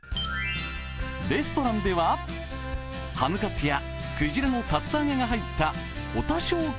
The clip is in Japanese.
レストランでは、ハムカツやくじらの竜田揚げが入った保田小給